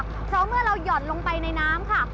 เพราะเมื่อเราหย่อนลงไปในน้ำค่ะ